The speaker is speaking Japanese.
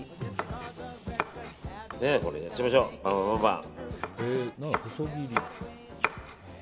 やっちゃいましょうバンバンバンバン。